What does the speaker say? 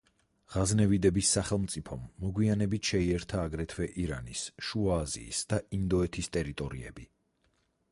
ღაზნევიდების სახელმწიფომ მოგვიანებით შეიერთა, აგრეთვე, ირანის, შუა აზიის და ინდოეთის ტერიტორიები.